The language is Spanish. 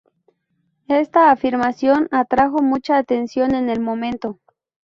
Esta afirmación atrajo mucha atención en el momento.